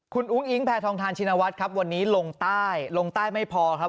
คุณอุ้งอิงแพทองทานชินวัฒน์ครับวันนี้ลงใต้ลงใต้ไม่พอครับ